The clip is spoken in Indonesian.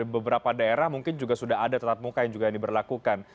beberapa daerah mungkin juga sudah ada tetap muka yang juga diberlakukan